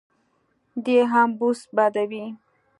دی هم بوس بادوي.